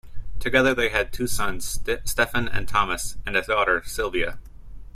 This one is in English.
Together they had two sons, Stephan and Thomas, and a daughter, Sylvia.